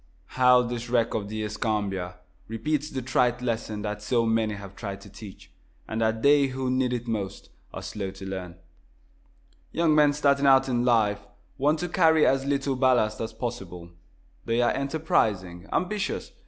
How this wreck of the "Escambia" repeats the trite lesson that so many have tried to teach, and that they who need it most are so slow to learn! Young men starting out in life want to carry as little ballast as possible. They are enterprising, ambitious.